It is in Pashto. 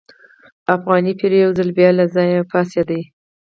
افغاني پیر یو ځل بیا له ځایه پاڅېد.